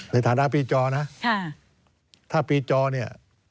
ในฐานะปีจอนะถ้าปีจอเนี่ย